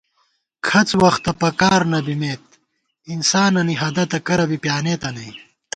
کھڅ وختہ پکار نہ بِمېت ، انسانَنی ہدَتہ کرہ بی پیانېتہ نئ